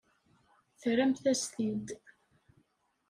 Terramt-as-t-id.